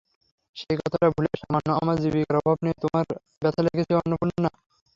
সে-কথাটা ভুলে সামান্য আমার জীবিকার অভাব নিয়ে তোমার ব্যথা লেগেছে অন্নপূর্ণা!